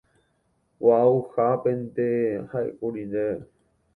Gua'uhápente ha'ékuri ndéve.